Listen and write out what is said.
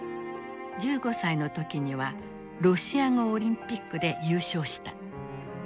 １５歳の時にはロシア語オリンピックで優勝した。